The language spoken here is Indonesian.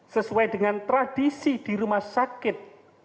sesuai dengan tradisi di rumah sakit